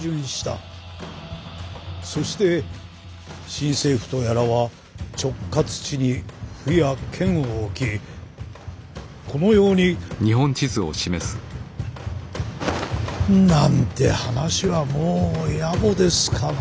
そして新政府とやらは直轄地に府や県を置きこのようになんて話はもう野暮ですかな。